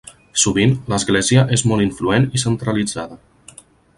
Sovint, l'Església és molt influent i centralitzada.